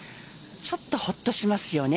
ちょっとほっとしますよね。